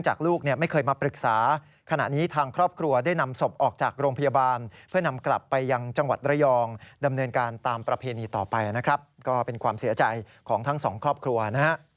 ลูกเนี่ยไม่เคยมาปรึกษาขณะนี้ทางครอบครัวได้นำศพออกจากโรงพยาบาลเพื่อนำกลับไปยังจังหวัดระยองดำเนินการตามประเพณีต่อไปนะครับก็เป็นความเสียใจของทั้งสองครอบครัวนะฮะ